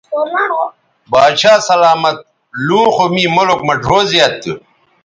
باچھا سلامت لوں خو می ملک مہ ڙھؤ زیات تھو